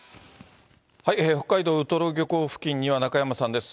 北海道ウトロ漁港付近には中山さんです。